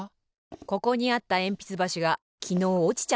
ここにあったえんぴつばしがきのうおちちゃったのよ。